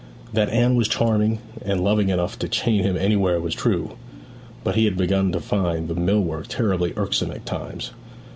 That Anne was charming and loving enough to chain him anywhere was true; but he had begun to find the mill work terribly irksome at times.